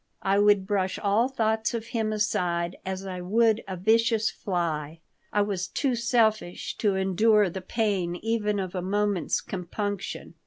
I would brush all thoughts of him aside as I would a vicious fly. I was too selfish to endure the pain even of a moment's compunction.